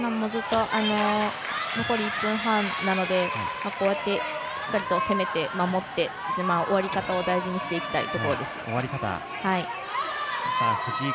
残り１分半なのでしっかり攻めて、守って終わり方を大事にしていきたいところです。